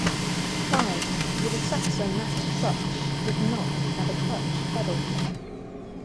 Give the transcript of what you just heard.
Cars with a Saxomat clutch did not have a clutch pedal.